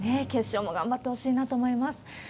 決勝も頑張ってほしいなと思います。